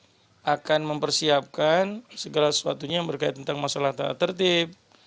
kita akan mempersiapkan segala sesuatunya yang berkait tentang masalah tata tertib